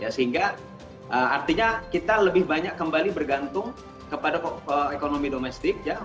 sehingga artinya kita lebih banyak kembali bergantung kepada ekonomi domestik